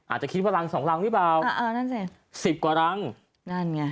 อาจจะคิดว่ารังสองรังหรือเปล่าเออนั่นสิสิบกว่ารังนั่นไง